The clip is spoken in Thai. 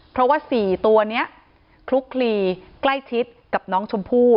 เพราะว่า๔ตัวนี้คลุกคลีใกล้ชิดกับน้องชมพู่